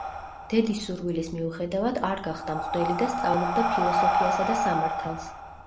დედის სურვილის მიუხედავად არ გახდა მღვდელი და სწავლობდა ფილოსოფიასა და სამართალს.